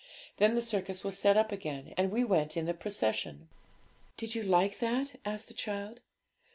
Then the circus was set up again, and we went in the procession.' 'Did you like that?' asked the child.